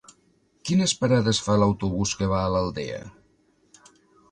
Quines parades fa l'autobús que va a l'Aldea?